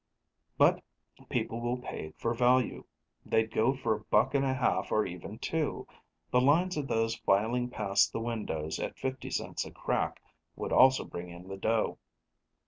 But people will pay for value. They'd go for a buck and a half or even two; the lines of those filing past the windows, at 50 cents a crack, would also bring in the dough.